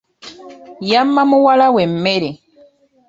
Yamma muwala we emmere.